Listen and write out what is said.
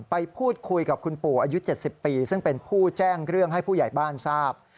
ไปพูดคุยกับคุณปู่อายุ๗๐ปีซึ่งเป็นผู้แจ้งเรื่องให้ผู้ใหญ่บ้านทราบ